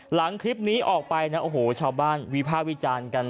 หลังคลิปนี้ออกไปนะโอ้โหชาวบ้านวิภาควิจารณ์กัน